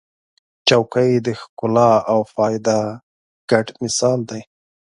چوکۍ د ښکلا او فایده ګډ مثال دی.